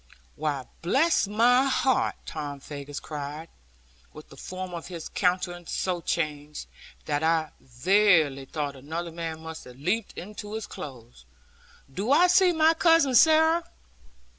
'Why, bless my heart!' Tom Faggus cried, with the form of his countenance so changed, that I verily thought another man must have leaped into his clothes 'do I see my Cousin Sarah?